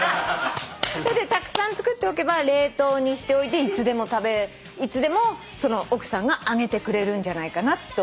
たくさん作っておけば冷凍にしておいていつでも奥さんが揚げてくれるんじゃないかなと。